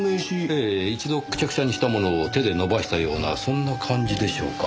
ええ一度クシャクシャにしたものを手で伸ばしたようなそんな感じでしょうか。